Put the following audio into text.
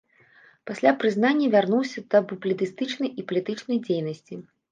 Пасля прызнання вярнуўся да публіцыстычнай і палітычнай дзейнасці.